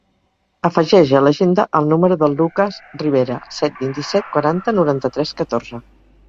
Afegeix a l'agenda el número del Lucas Ribera: set, vint-i-set, quaranta, noranta-tres, catorze.